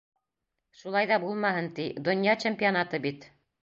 Шулай ҙа булмаһын ти, Донъя чемпионаты бит!